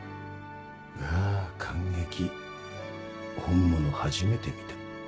うわ感激本物初めて見た。